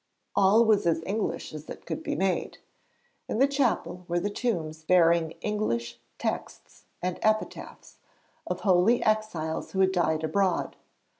All was as English as it could be made. In the chapel were the tombs bearing English texts and epitaphs, of holy exiles who had died abroad.